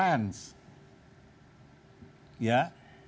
yang kedua saya sudah melihat bahwa ini radius timenya untuk kondisi